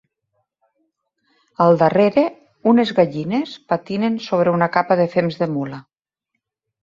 Al darrere unes gallines patinen sobre una capa de fems de mula.